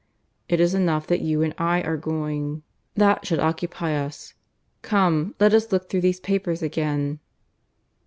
"It is enough that you and I are going. That should occupy us. Come, let us look through these papers again."